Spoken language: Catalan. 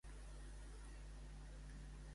Quina estratègia busca ara?